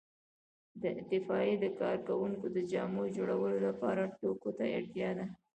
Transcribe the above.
د اطفائیې د کارکوونکو د جامو جوړولو لپاره توکو ته اړتیا ده.